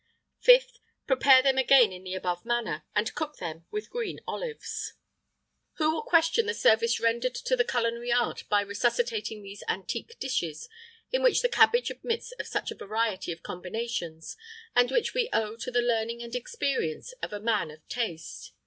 [IX 22] 5th. Prepare them again in the above manner, and cook them with green olives.[IX 23] Who will question the service rendered to the culinary art by resuscitating these antique dishes, in which the cabbage admits of such a variety of combinations, and which we owe to the learning and experience of a man of taste?